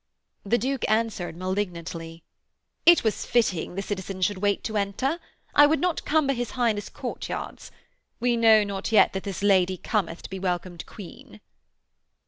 The Duke answered malignantly: 'It was fitting the citizens should wait to enter. I would not cumber his Highness' courtyards. We know not yet that this Lady cometh to be welcomed Queen.'